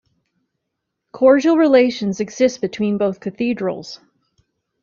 Cordial relations exist between both cathedrals.